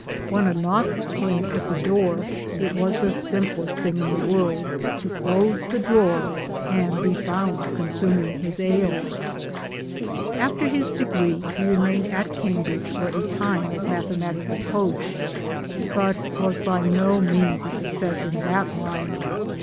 When a knock came at the door it was the simplest thing in the world to close the drawer, and be found consuming his ale 1 After his degree he remained at Cambridge for a time as mathematical coach, but was by no means a success in that line.